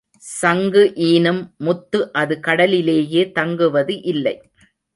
சங்கு ஈனும் முத்து அது கடலிலேயே தங்குவது இல்லை.